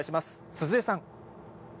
鈴江さん。